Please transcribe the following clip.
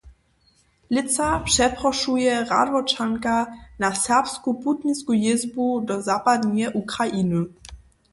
Lětsa přeprošuje Radworčanka na serbsku putnisku jězbu do zapadneje Ukrainy.